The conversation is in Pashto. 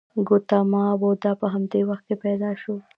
ګوتاما بودا په همدې وخت کې پیدا شو.